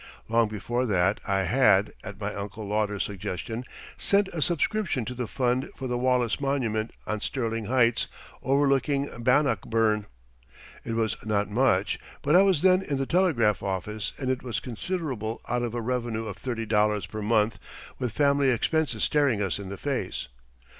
Long before that I had, at my Uncle Lauder's suggestion, sent a subscription to the fund for the Wallace Monument on Stirling Heights overlooking Bannockburn. It was not much, but I was then in the telegraph office and it was considerable out of a revenue of thirty dollars per month with family expenses staring us in the face.